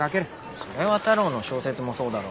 それは太郎の小説もそうだろう。